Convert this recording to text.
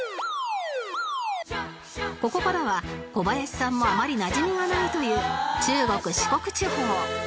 ここからは小林さんもあまりなじみがないという中国四国地方